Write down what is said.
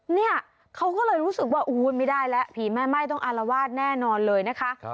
เนี่ยเขาก็เลยรู้สึกว่าไม่ได้แล้วผีแม่ไหม้ต้องอารวาสแน่นอนเลยนะคะ